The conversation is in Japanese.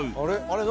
「あれ？